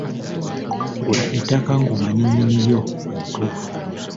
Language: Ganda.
Gula ettaka ng’omanyi nnyini lyo omutuufu.